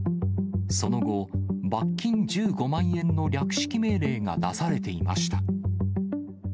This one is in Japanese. その後、罰金１５万円の略式命令が出されていました。